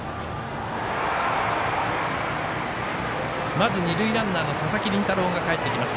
まず、二塁ランナーの佐々木麟太郎がかえってきます。